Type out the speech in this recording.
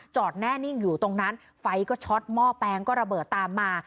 แน่นิ่งอยู่ตรงนั้นไฟก็ช็อตหม้อแปลงก็ระเบิดตามมา